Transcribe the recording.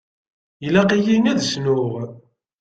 Ilaq-iyi ad cnuɣ.